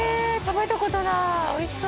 食べたことないおいし